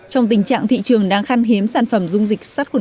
trong tình trạng thị trường đang khăn hiếm sản phẩm dung dịch sát khuẩn